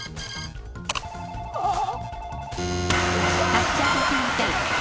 発車できません。